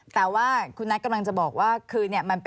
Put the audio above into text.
แต่ว่าคุณนัทกำลังจะบอกว่าคือเนี่ย